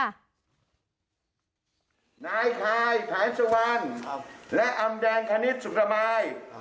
นายคายหายสุวรรณและอำแดงคณิตสุขรมาย